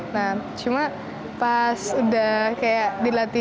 nah cuma pas udah kayak dilatih